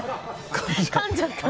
かんじゃった。